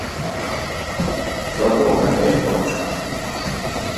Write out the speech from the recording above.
"Dla Boga, nie płacz!"